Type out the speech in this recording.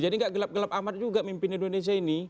jadi gak gelap gelap amat juga mimpin indonesia ini